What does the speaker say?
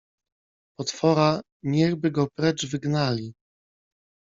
Potwora, niechby go precz wygnali!